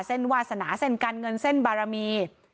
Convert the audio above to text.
วาสนาเส้นการเงินเส้นบารมี